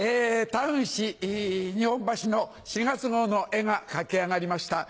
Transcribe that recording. タウン誌『日本橋』の４月号の絵が描き上がりました。